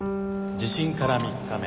「地震から３日目